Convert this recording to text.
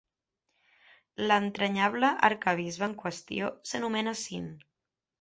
L'entranyable arquebisbe en qüestió s'anomena Sin.